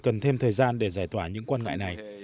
cần thêm thời gian để giải tỏa những quan ngại này